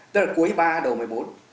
tức là cuối ba đầu một mươi bốn